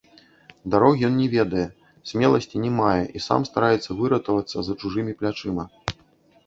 Дарог ён не ведае, смеласці не мае і сам стараецца выратавацца за чужымі плячыма.